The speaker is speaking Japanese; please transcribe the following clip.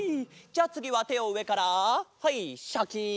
じゃあつぎはてをうえからはいシャキン